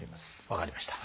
分かりました。